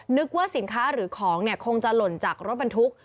นึกว่าสินค้าหรือของเนี่ยคงจะหล่นจากรถบรรทุก